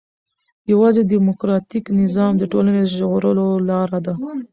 يوازي ډيموکراټيک نظام د ټولني د ژغورلو لار ده.